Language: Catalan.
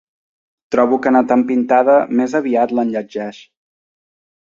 Trobo que anar tan pintada més aviat l'enlletgeix.